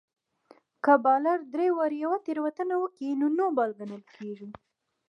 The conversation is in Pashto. که بالر درې واري يوه تېروتنه وکي؛ نو نو بال ګڼل کیږي.